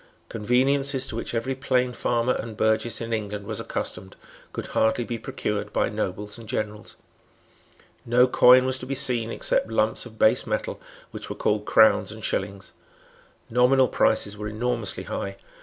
Conveniences to which every plain farmer and burgess in England was accustomed could hardly be procured by nobles and generals. No coin was to be seen except lumps of base metal which were called crowns and shillings. Nominal prices were enormously high.